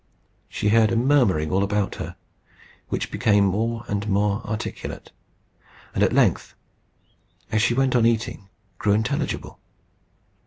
She heard a murmuring all about her, which became more and more articulate, and at length, as she went on eating, grew intelligible.